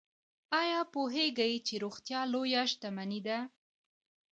ایا پوهیږئ چې روغتیا لویه شتمني ده؟